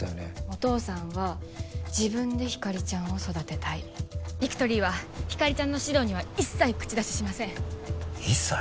お父さんは自分でひかりちゃんを育てたいビクトリーはひかりちゃんの指導には一切口出ししません一切？